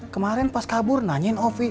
kemarin pas kabur nanyain ovi